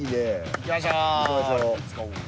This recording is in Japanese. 行きましょう。